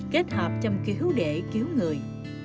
kết hợp trong khi hữu đệ cứu người